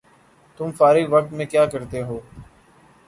تم فارغ وقت میں کیاکرتےہو؟